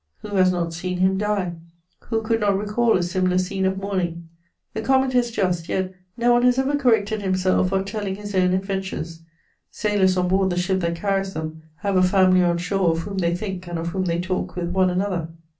Who has not seen him die? Who could not recall a similar scene of mourning? The comment is just, yet no one has ever corrected himself of telling his own adventures: sailors on board the ship that carries them have a family on shore of whom they think and of whom they talk with one another.